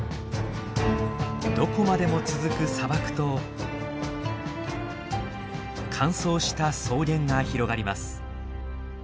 どこまでも続く砂漠と乾燥した草原が広がります。